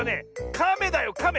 カメだよカメ！